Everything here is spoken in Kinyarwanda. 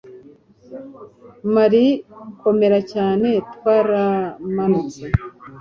Marie komera cyane Twaramanutse